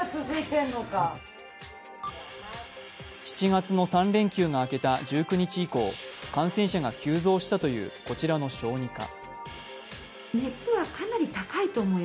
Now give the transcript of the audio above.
７月の３連休が明けた１９日以降感染者が急増したというこちらの小児科。